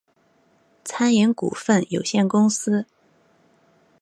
餐饮股份有限公司